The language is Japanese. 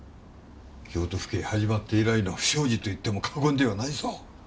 京都府警始まって以来の不祥事と言っても過言ではないぞ。